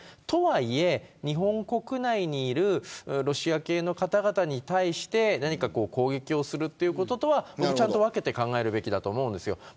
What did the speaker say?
とはいえ、日本国内にいるロシア系の方々に対して何か攻撃をするということとはちゃんと分けて考えるべきだと思うんですよ。